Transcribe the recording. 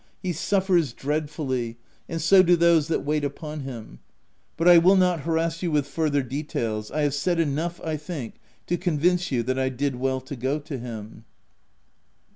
He suffers dreadfully, and so do those that wait upon him — but I will not harass you with fur ther details: I have said enough, I think, to convince you that I did well to go to him."